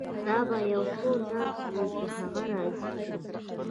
دا به یو ښه نرخ وي چې هغه راضي کړي